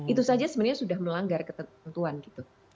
itu saja sebenarnya sudah melanggar ketentuan gitu